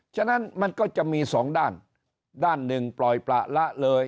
ฉะนั้นมันก็จะมี๒ด้านด้าน๑ปล่อยประละเลย